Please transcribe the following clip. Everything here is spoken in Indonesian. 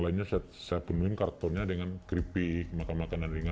lalu jerat pun dipasang